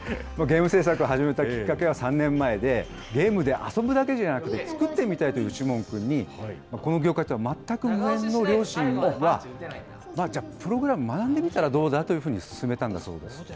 ゲーム制作を始めたきっかけは３年前で、ゲームで遊ぶだけではなくて、作ってみたいというシモン君に、この業界とは全く無縁の両親は、じゃあ、プログラム学んでみたらどうだと勧めたんだそうです。